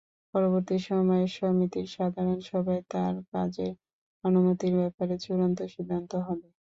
পরবর্তী সময়ে সমিতির সাধারণ সভায় তাঁর কাজের অনুমতির ব্যাপারে চূড়ান্ত সিদ্ধান্ত হবে।